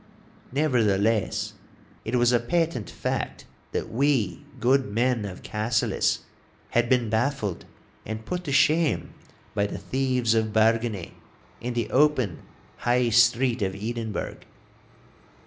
Nevertheless, it was a patent fact that we good men of Cassillis had been baffled and put to shame by the thieves of Bargany in the open High Street of Edinburgh.